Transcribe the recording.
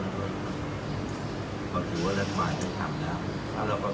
และเราก็เป็นส่วนหนึ่งที่สุมุลตะไบท์หมดแล้วนะครับ